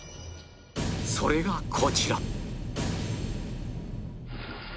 それがこちら